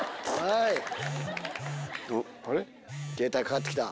ケータイかかってきた。